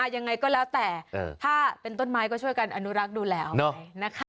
ยังไงก็แล้วแต่ถ้าเป็นต้นไม้ก็ช่วยกันอนุรักษ์ดูแลหน่อยนะคะ